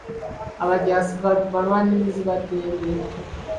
Abajaasi balwanirizi ba ddembe.